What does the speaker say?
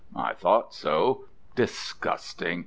I thought so. Disgusting.